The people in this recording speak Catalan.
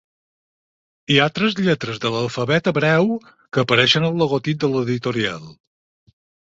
Hi ha tres lletres de l'alfabet hebreu que apareixen al logotip de l'editorial.